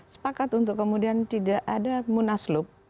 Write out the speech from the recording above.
sepakat untuk kemudian tidak ada munaslup